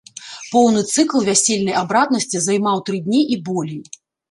Поўны цыкл вясельнай абраднасці займаў тры дні і болей.